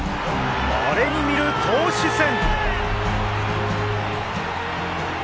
稀に見る投手戦。